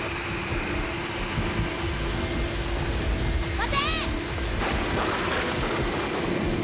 待て！